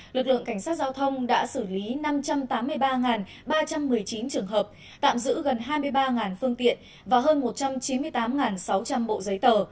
lực lượng cảnh sát giao thông đã xử lý năm trăm tám mươi ba ba trăm một mươi chín trường hợp tạm giữ gần hai mươi ba phương tiện và hơn một trăm chín mươi tám sáu trăm linh bộ giấy tờ